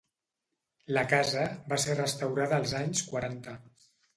La casa va ser restaurada als anys quaranta.